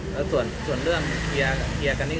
แล้วส่วนเรื่องเคลียร์กันนี้